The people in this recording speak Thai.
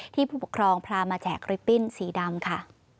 ผู้ปกครองพามาแจกริปปิ้นสีดำค่ะ